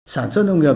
sản xuất nông nghiệp